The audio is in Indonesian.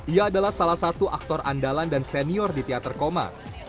ia adalah salah satu aktor andalan dan senior di teater koma